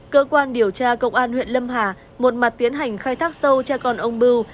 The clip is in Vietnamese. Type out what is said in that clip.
cơ quan điều tra công an huyện lâm hà một mặt tiến hành khai thác sâu cha con ông bưu